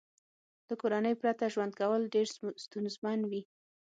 له کورنۍ پرته ژوند کول ډېر ستونزمن وي